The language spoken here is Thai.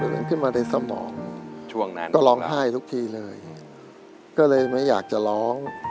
ภาพของคุณที่มาในสมองช่วงนั้นก็ร้องไห้หลุกทีเลยก็เลยไม่อยากจะร้อง